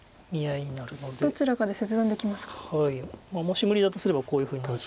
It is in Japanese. もし無理だとすればこういうふうになって。